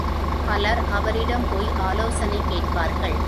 பலர் அவரிடம் போய் ஆலோசனை கேட்பார்கள்.